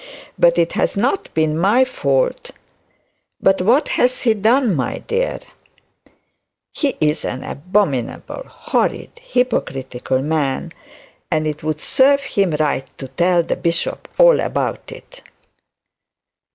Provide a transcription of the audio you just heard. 'But it has not been my fault.' 'But what has he done, my dear?' 'He's an abominable, horrid, hypocritical man, and it would serve him right to tell the bishop about it.'